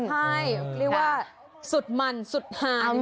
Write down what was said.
ใช่เรียกว่าสุดมันสุดหาว